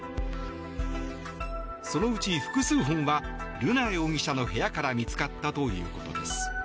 そのうち複数本は瑠奈容疑者の部屋から見つかったということです。